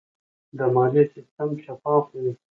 د مالیې سیستم شفاف وي.